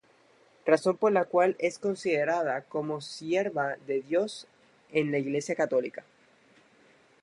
Razón por la cual es considerada como sierva de Dios en la Iglesia católica.